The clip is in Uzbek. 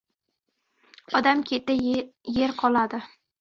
• Odam ketadi, yer qoladi.